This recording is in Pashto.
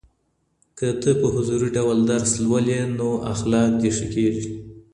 که ته په حضوري ډول درس لولې نو اخلاق دي ښه کېږي.